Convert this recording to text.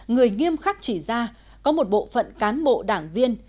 người nghiêm khắc chỉ ra có một bộ phận cán bộ đảng viên